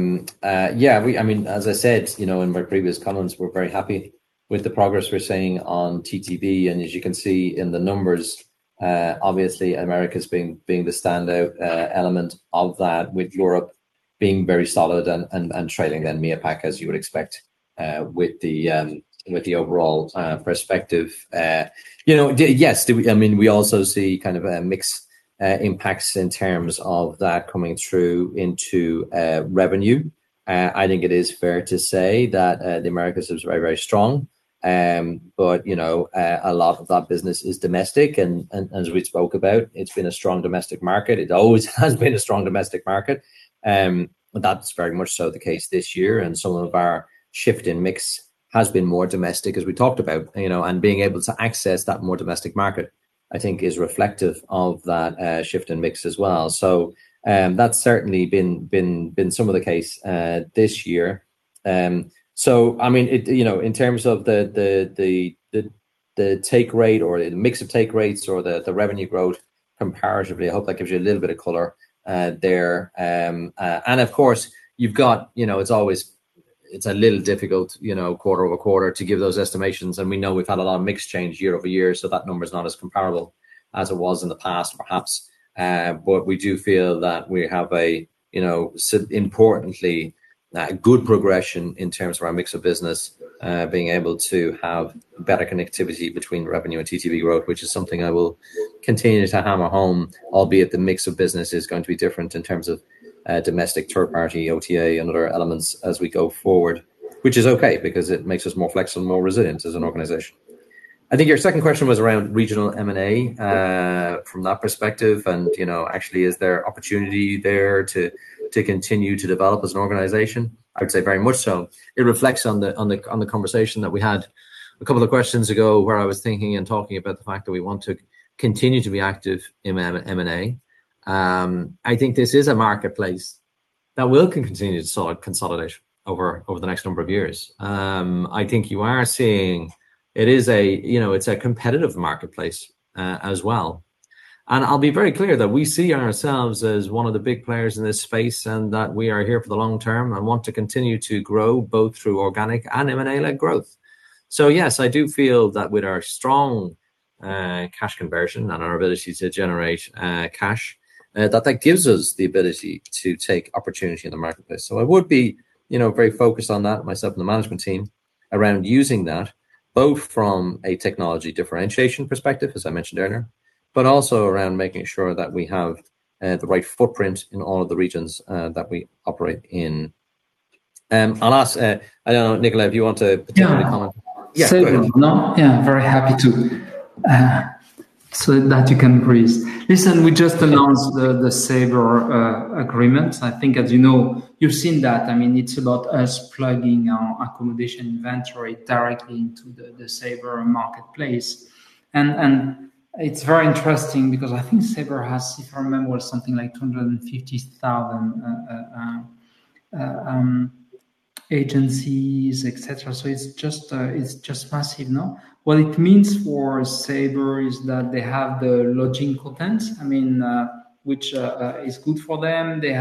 As I said in my previous comments, we're very happy with the progress we're seeing on TTV. As you can see in the numbers, obviously, Americas being the standout element of that, with Europe being very solid and trailing then MEAPAC, as you would expect, with the overall perspective. Yes. We also see a mixed impacts in terms of that coming through into revenue. I think it is fair to say that the Americas is very, very strong. A lot of that business is domestic. As we spoke about, it's been a strong domestic market. It always has been a strong domestic market. That's very much so the case this year, and some of our shift in mix has been more domestic, as we talked about. Being able to access that more domestic market, I think, is reflective of that shift in mix as well. That's certainly been some of the case this year. In terms of the take rate or the mix of take rates or the revenue growth comparatively, I hope that gives you a little bit of color there. Of course, you've got, it's always a little difficult quarter-over-quarter to give those estimations. We know we've had a lot of mix change year-over-year, so that number is not as comparable as it was in the past, perhaps. We do feel that we have a, importantly, good progression in terms of our mix of business, being able to have better connectivity between revenue and TTV growth, which is something I will continue to hammer home, albeit the mix of business is going to be different in terms of domestic third-party OTA and other elements as we go forward. Which is okay, because it makes us more flexible and more resilient as an organization. I think your second question was around regional M&A from that perspective, and actually is there opportunity there to continue to develop as an organization? I would say very much so. It reflects on the conversation that we had a couple of questions ago where I was thinking and talking about the fact that we want to continue to be active in M&A. I think this is a marketplace that will continue to consolidation over the next number of years. I think you are seeing it's a competitive marketplace as well. I'll be very clear that we see ourselves as one of the big players in this space, and that we are here for the long term and want to continue to grow both through organic and M&A-led growth. Yes, I do feel that with our strong cash conversion and our ability to generate cash, that that gives us the ability to take opportunity in the marketplace. I would be very focused on that, myself and the management team, around using that, both from a technology differentiation perspective, as I mentioned earlier, but also around making sure that we have the right footprint in all of the regions that we operate in. I'll ask, I don't know, Nicolas, if you want to particularly comment. Yeah. Yeah, go ahead. Yeah, very happy to. That you can breathe. Listen, we just announced the Sabre agreement. I think, as you know, you've seen that. It's about us plugging our accommodation inventory directly into the Sabre marketplace. It's very interesting because I think Sabre has, if I remember, something like 250,000 agencies, etc. It's just massive, no? What it means for Sabre is that they have the lodging content, which is good for them. They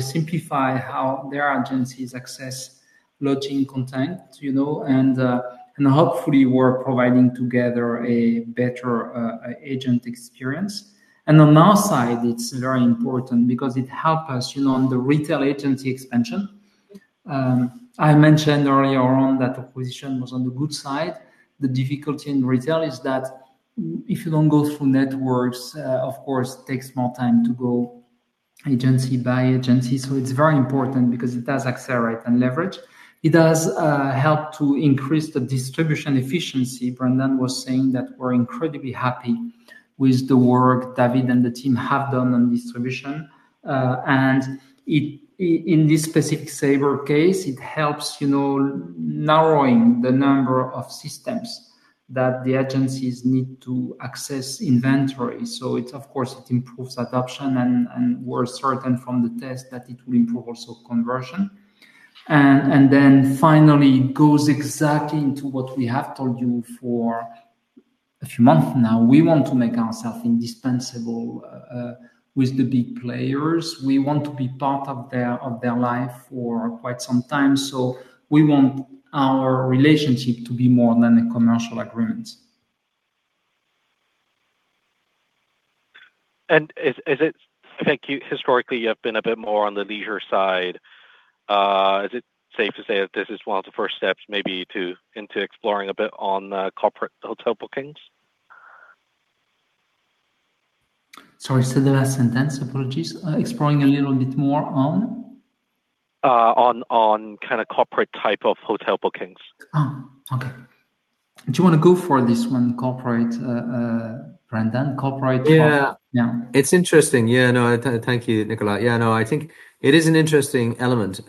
simplify how their agencies access lodging content, and hopefully we're providing together a better agent experience. On our side, it's very important because it help us on the retail agency expansion. I mentioned earlier on that acquisition was on the good side. The difficulty in retail is that if you don't go through networks, of course it takes more time to go agency by agency. It's very important because it does accelerate and leverage. It does help to increase the distribution efficiency. Brendan was saying that we're incredibly happy with the work David and the team have done on distribution. In this specific Sabre case, it helps narrowing the number of systems that the agencies need to access inventory. It, of course, improves adoption and we're certain from the test that it will improve also conversion. Finally goes exactly into what we have told you for a few months now. We want to make ourself indispensable with the big players. We want to be part of their life for quite some time. We want our relationship to be more than a commercial agreement. I think you historically have been a bit more on the leisure side. Is it safe to say that this is one of the first steps maybe into exploring a bit on corporate hotel bookings? Sorry, say the last sentence. Apologies. Exploring a little bit more on? On corporate type of hotel bookings. Oh, okay. Do you want to go for this one, corporate, Brendan? Corporate? Yeah. Yeah. It's interesting. Yeah, no, thank you, Nicolas. Yeah, no, I think it is an interesting element.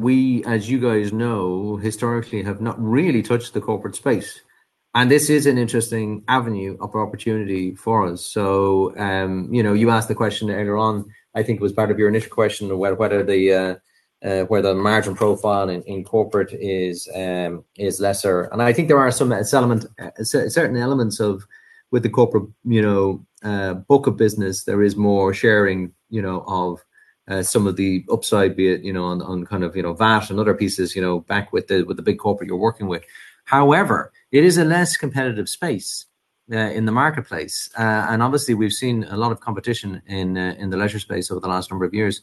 We, as you guys know, historically have not really touched the corporate space, and this is an interesting avenue of opportunity for us. You asked the question earlier on, I think it was part of your initial question, whether the margin profile in corporate is lesser. I think there are certain elements of with the corporate book of business, there is more sharing of some of the upside be it on VAT and other pieces, back with the big corporate you're working with. However, it is a less competitive space in the marketplace. Obviously we've seen a lot of competition in the leisure space over the last number of years.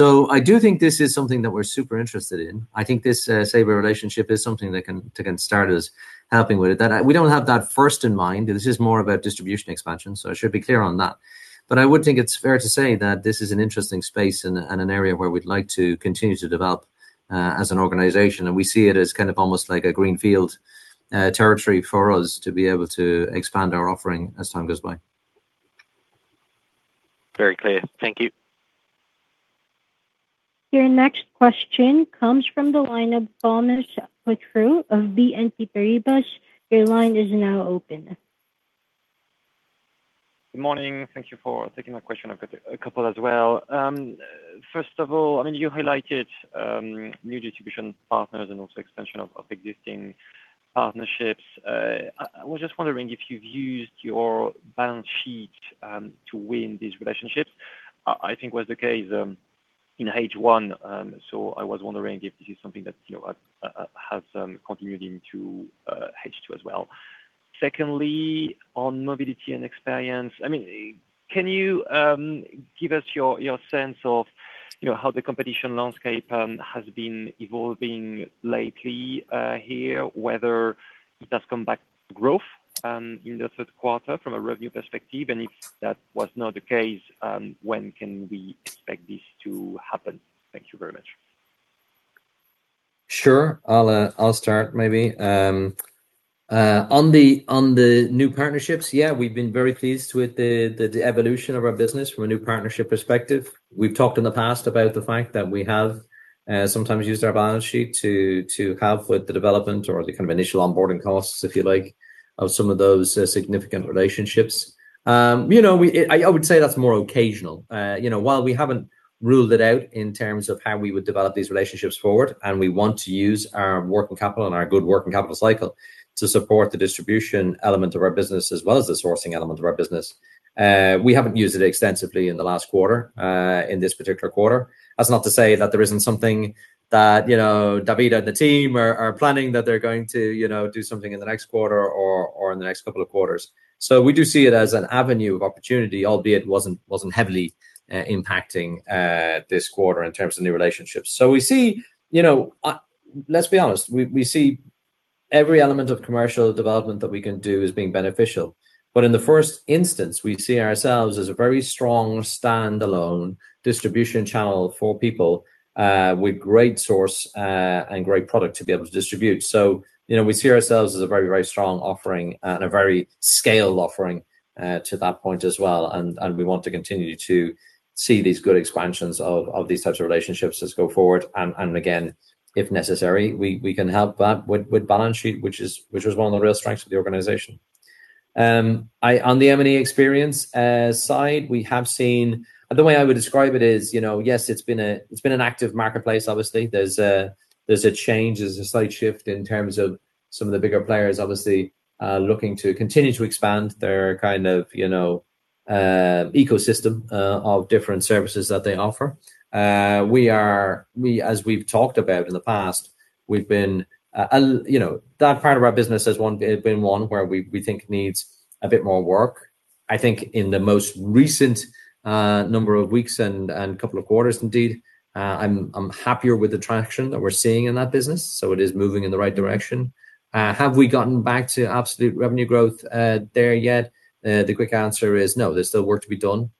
I do think this is something that we're super interested in. I think this Sabre relationship is something that can start as helping with it. We don't have that first in mind. This is more about distribution expansion, so I should be clear on that. I would think it's fair to say that this is an interesting space and an area where we'd like to continue to develop as an organization, and we see it as kind of almost like a green field territory for us to be able to expand our offering as time goes by. Very clear. Thank you. Your next question comes from the line of Thomas Poutrieux of BNP Paribas. Your line is now open. Good morning. Thank you for taking my question. I've got a couple as well. First of all, you highlighted new distribution partners and also expansion of existing partnerships. I was just wondering if you've used your balance sheet to win these relationships I think was the case in H1. I was wondering if this is something that has continued into H2 as well. Secondly, on mobility and experience, can you give us your sense of how the competition landscape has been evolving lately here, whether it has come back growth in the third quarter from a revenue perspective? If that was not the case, when can we expect this to happen? Thank you very much. Sure. I'll start maybe. On the new partnerships, yeah, we've been very pleased with the evolution of our business from a new partnership perspective. We've talked in the past about the fact that we have sometimes used our balance sheet to have with the development or the kind of initial onboarding costs, if you like, of some of those significant relationships. I would say that's more occasional. While we haven't ruled it out in terms of how we would develop these relationships forward, and we want to use our working capital and our good working capital cycle to support the distribution element of our business as well as the sourcing element of our business. We haven't used it extensively in the last quarter, in this particular quarter. That's not to say that there isn't something that David and the team are planning that they're going to do something in the next quarter or in the next couple of quarters. We do see it as an avenue of opportunity, albeit wasn't heavily impacting this quarter in terms of new relationships. Let's be honest, we see every element of commercial development that we can do as being beneficial. In the first instance, we see ourselves as a very strong standalone distribution channel for people, with great source and great product to be able to distribute. We see ourselves as a very strong offering and a very scaled offering to that point as well, and we want to continue to see these good expansions of these types of relationships as go forward. Again, if necessary, we can help that with balance sheet, which was one of the real strengths of the organization. On the M&A experience side, the way I would describe it is, yes, it has been an active marketplace, obviously. There is a change. There is a slight shift in terms of some of the bigger players obviously looking to continue to expand their kind of ecosystem of different services that they offer. As we have talked about in the past, that part of our business has been one where we think needs a bit more work. I think in the most recent number of weeks and couple of quarters, indeed, I am happier with the traction that we are seeing in that business. It is moving in the right direction. Have we gotten back to absolute revenue growth there yet? The quick answer is no. There is still work to be done.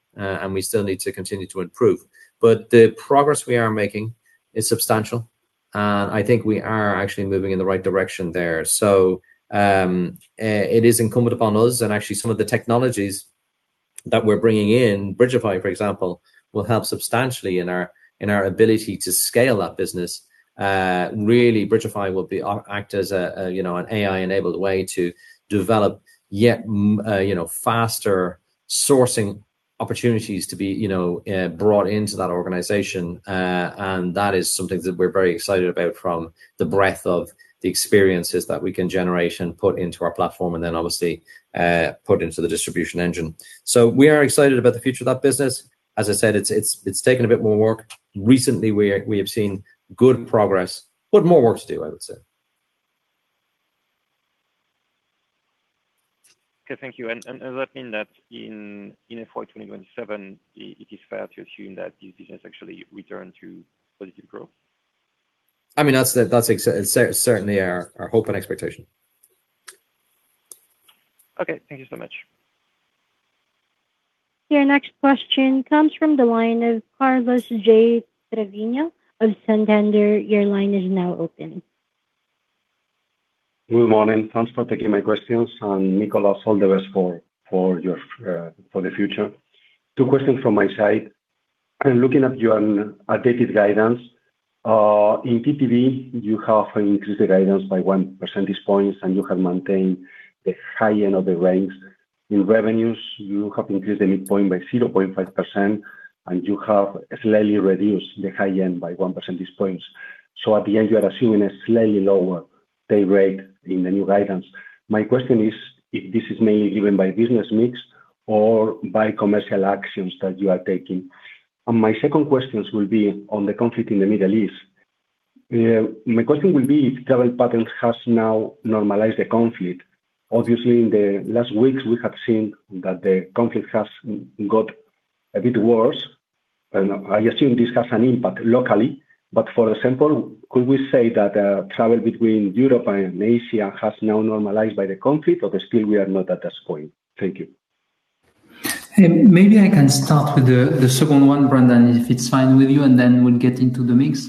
We still need to continue to improve. The progress we are making is substantial. I think we are actually moving in the right direction there. It is incumbent upon us and actually some of the technologies that we are bringing in, Bridgify, for example, will help substantially in our ability to scale that business. Really, Bridgify will act as an AI-enabled way to develop yet faster sourcing opportunities to be brought into that organization. That is something that we are very excited about from the breadth of the experiences that we can generate and put into our platform and then obviously, put into the distribution engine. We are excited about the future of that business. As I said, it has taken a bit more work. Recently, we have seen good progress, but more work to do, I would say. Okay, thank you. Does that mean that in FY 2027, it is fair to assume that this business actually return to positive growth? That is certainly our hope and expectation. Okay. Thank you so much. Your next question comes from the line of Carlos J. Treviño of Santander. Your line is now open. Good morning. Thanks for taking my questions. Nicolas, all the best for the future. Two questions from my side. Looking at your updated guidance. In TTV, you have increased the guidance by one percentage points, and you have maintained the high end of the range. In revenues, you have increased the midpoint by 0.5%, and you have slightly reduced the high end by one percentage points. At the end, you are assuming a slightly lower pay rate in the new guidance. My question is if this is mainly driven by business mix or by commercial actions that you are taking. My second questions will be on the conflict in the Middle East. My question will be if travel patterns has now normalized the conflict. Obviously, in the last weeks, we have seen that the conflict has got a bit worse, and I assume this has an impact locally. For example, could we say that travel between Europe and Asia has now normalized by the conflict, or still we are not at this point? Thank you. Maybe I can start with the second one, Brendan, if it is fine with you, then we will get into the mix.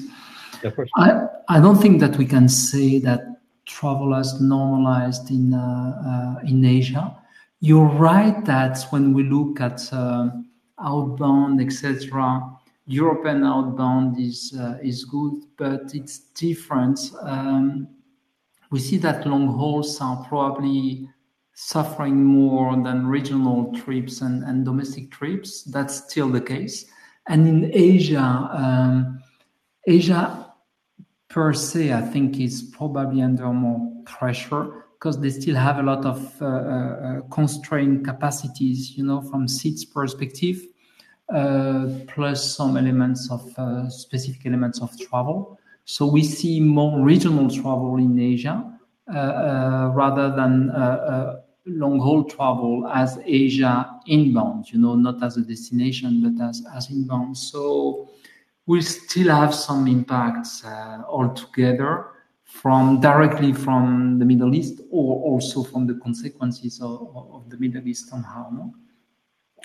Yeah, for sure. I do not think that we can say that travel has normalized in Asia. You are right that when we look at outbound, etc, European outbound is good, but it is different. We see that long hauls are probably suffering more than regional trips and domestic trips. That is still the case. In Asia per se, I think it is probably under more pressure because they still have a lot of constrained capacities from seats perspective, plus some specific elements of travel. We see more regional travel in Asia rather than long-haul travel as Asia inbound, not as a destination, but as inbound. We still have some impacts altogether directly from the Middle East or also from the consequences of the Middle East on our.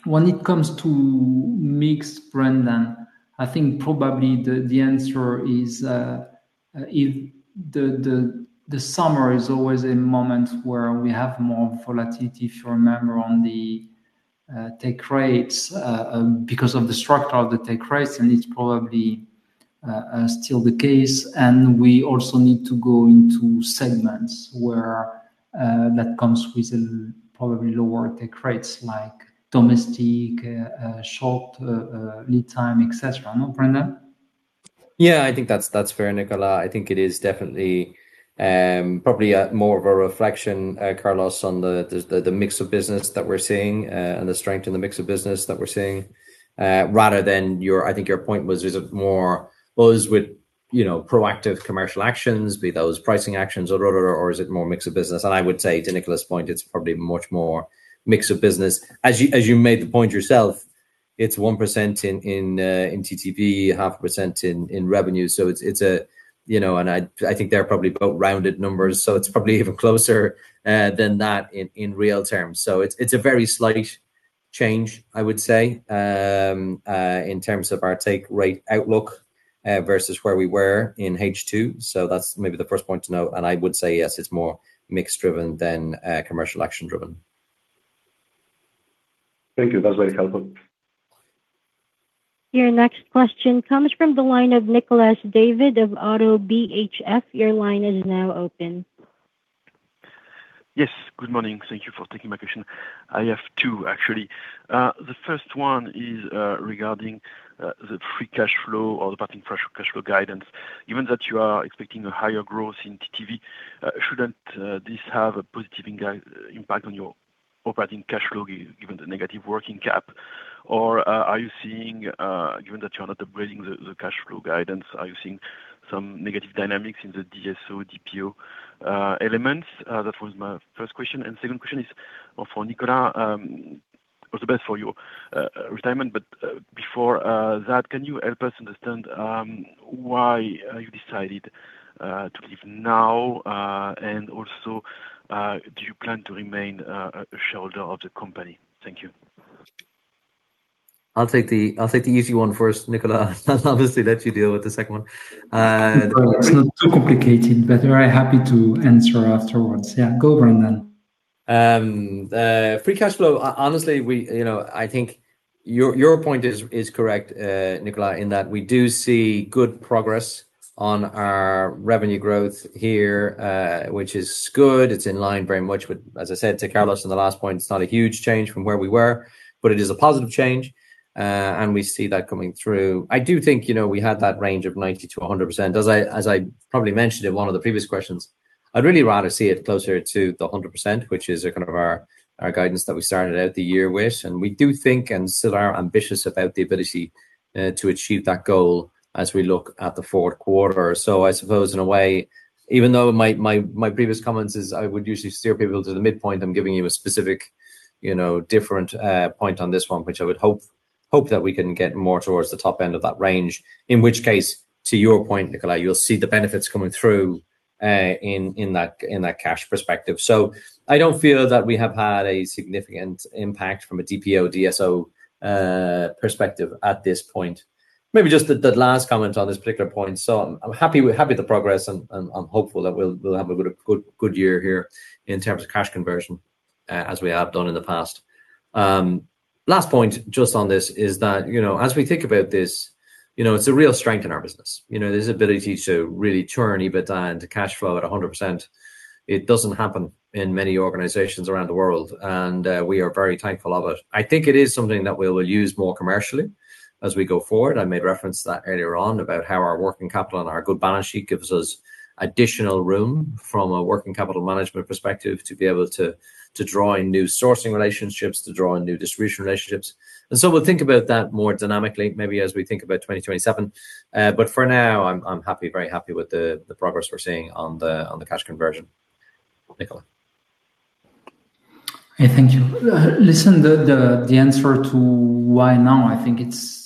When it comes to mix, Brendan, I think probably the answer is the summer is always a moment where we have more volatility, if you remember, on the take rates because of the structure of the take rates, and it is probably still the case. We also need to go into segments where that comes with probably lower take rates like domestic, short lead time, etc. No, Brendan? Yeah, I think that's fair, Nicolas. I think it is definitely probably more of a reflection, Carlos, on the mix of business that we're seeing and the strength in the mix of business that we're seeing rather than, I think your point was, is it more was with proactive commercial actions, be those pricing actions or is it more mix of business? I would say to Nicolas' point, it's probably much more mix of business. As you made the point yourself, it's 1% in TTV, 0.5% in revenue. I think they're probably both rounded numbers, so it's probably even closer than that in real terms. It's a very slight change, I would say, in terms of our take rate outlook versus where we were in H2. That's maybe the first point to note. I would say yes, it's more mix driven than commercial action driven. Thank you. That's very helpful. Your next question comes from the line of Nicolas David of Oddo BHF. Your line is now open. Yes, good morning. Thank you for taking my question. I have two, actually. The first one is regarding the free cash flow or the operating cash flow guidance. Given that you are expecting a higher growth in TTV, shouldn't this have a positive impact on your operating cash flow given the negative working cap? Are you seeing, given that you are not upgrading the cash flow guidance, are you seeing some negative dynamics in the DSO, DPO elements? That was my first question. Second question is for Nicolas. All the best for your retirement. Before that, can you help us understand why you decided to leave now? Also, do you plan to remain a shareholder of the company? Thank you. I'll take the easy one first, Nicolas. I'll obviously let you deal with the second one. It's not too complicated, but very happy to answer afterwards. Yeah, go Brendan. Free cash flow. Honestly, I think your point is correct, Nicolas, in that we do see good progress on our revenue growth here, which is good. It's in line very much with, as I said to Carlos on the last point, it's not a huge change from where we were, but it is a positive change, and we see that coming through. I do think we had that range of 90%-100%. As I probably mentioned in one of the previous questions, I'd really rather see it closer to the 100%, which is kind of our guidance that we started out the year with. We do think and still are ambitious about the ability to achieve that goal as we look at the fourth quarter. I suppose in a way, even though my previous comments is I would usually steer people to the midpoint, I'm giving you a specific different point on this one, which I would hope that we can get more towards the top end of that range. To your point, Nicolas, you'll see the benefits coming through in that cash perspective. I don't feel that we have had a significant impact from a DPO, DSO perspective at this point. Maybe just that last comment on this particular point. I'm happy with the progress, and I'm hopeful that we'll have a good year here in terms of cash conversion as we have done in the past. Last point just on this is that as we think about this, it's a real strength in our business. This ability to really turn EBITDA into cash flow at 100%, it doesn't happen in many organizations around the world, and we are very thankful of it. I think it is something that we will use more commercially as we go forward. I made reference to that earlier on about how our working capital and our good balance sheet gives us additional room from a working capital management perspective to be able to draw in new sourcing relationships, to draw in new distribution relationships. We'll think about that more dynamically maybe as we think about 2027. For now, I'm very happy with the progress we're seeing on the cash conversion. Nicolas. Okay. Thank you. Listen, the answer to why now, I think it's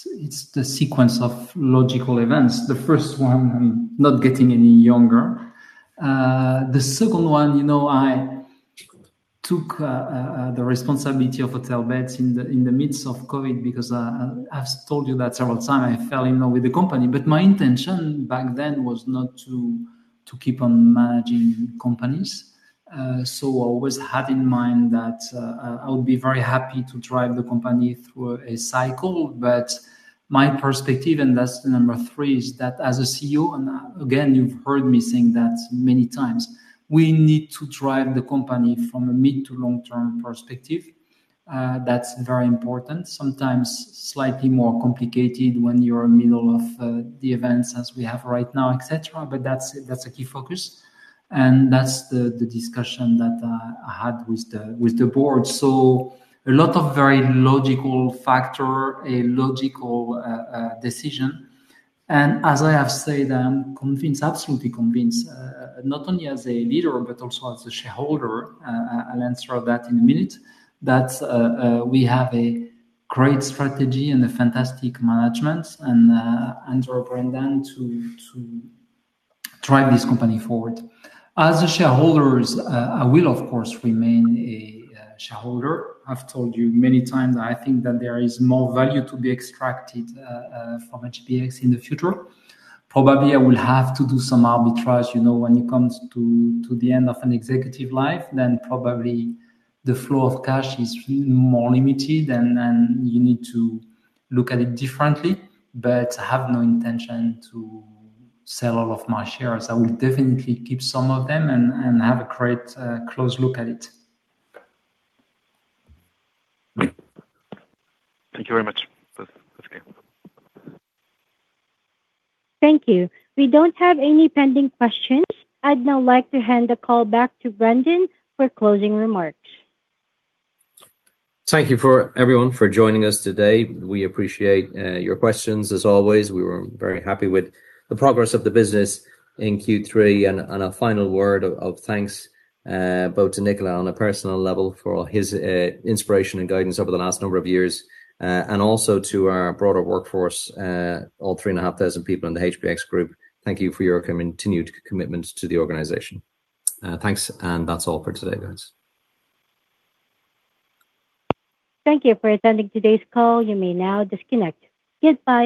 the sequence of logical events. The first one, I'm not getting any younger. The second one, I took the responsibility of Hotelbeds in the midst of COVID because I've told you that several times. I fell in love with the company. My intention back then was not to keep on managing companies. I always had in mind that I would be very happy to drive the company through a cycle. My perspective, and that's the number three, is that as a CEO, and again, you've heard me saying that many times, we need to drive the company from a mid to long-term perspective. That's very important, sometimes slightly more complicated when you're in middle of the events as we have right now, etc. That's a key focus, and that's the discussion that I had with the board. A lot of very logical factor, a logical decision. As I have said, I am convinced, absolutely convinced, not only as a leader, but also as a shareholder, I'll answer that in a minute, that we have a great strategy and a fantastic management, and under Brendan to drive this company forward. As a shareholder, I will, of course, remain a shareholder. I've told you many times, I think that there is more value to be extracted from HBX in the future. Probably I will have to do some arbitrage. When it comes to the end of an executive life, then probably the flow of cash is more limited, and you need to look at it differently. I have no intention to sell all of my shares. I will definitely keep some of them and have a great close look at it. Thank you very much. That's okay. Thank you. We don't have any pending questions. I'd now like to hand the call back to Brendan for closing remarks. Thank you everyone for joining us today. We appreciate your questions as always. We were very happy with the progress of the business in Q3. A final word of thanks both to Nicolas on a personal level for his inspiration and guidance over the last number of years. Also to our broader workforce, all three and a half thousand people in the HBX Group, thank you for your continued commitment to the organization. Thanks. That's all for today, guys. Thank you for attending today's call. You may now disconnect. Goodbye